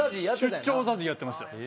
出張ＺＡＺＹやってました。